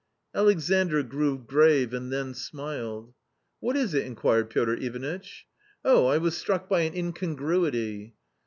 Alexandr grew grave and then smiled. " What is it ?" inquired Piotr Ivanitch. •'Oh, I was struck by an incongruity."